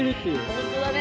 本当だね。